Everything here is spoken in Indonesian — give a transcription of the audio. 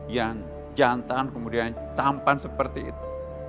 yang jantan kemudian tampan seperti itu